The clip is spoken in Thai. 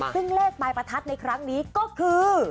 ซึ่งเลขปลายประทัดในครั้งนี้ก็คือ